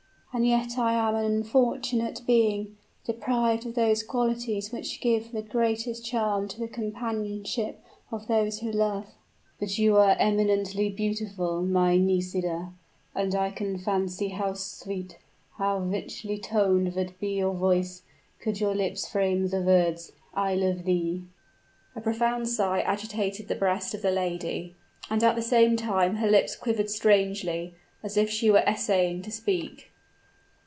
"And yet I am an unfortunate being deprived of those qualities which give the greatest charm to the companionship of those who love." "But you are eminently beautiful, my Nisida; and I can fancy how sweet, how rich toned would be your voice, could your lips frame the words, 'I love thee!'" A profound sigh agitated the breast of the lady; and at the same time her lips quivered strangely, as if she were essaying to speak.